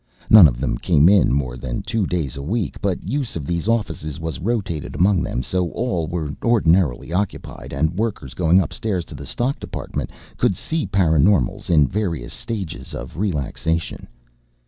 None of them came in more than two days a week but use of these offices was rotated among them so all were ordinarily occupied and workers, going upstairs to the stock depot, could see paraNormals in various stages of relaxation.